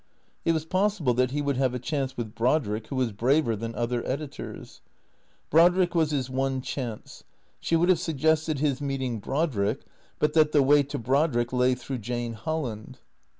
It was possible that he would have a chance with Brodrick who was braver than other editors. Brodrick was his one chance. She would have suggested his meeting Brodrick, but that the way to Brodrick lay through Jane Holland.